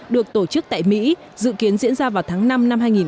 được tổ chức tại mỹ dự kiến diễn ra vào tháng năm năm hai nghìn một mươi tám